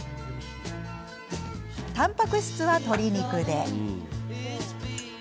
たんぱく質は鶏肉で。